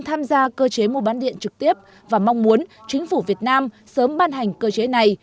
tham gia cơ chế mua bán điện trực tiếp và mong muốn chính phủ việt nam sớm ban hành cơ chế này